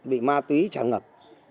bị ma túy trả ngập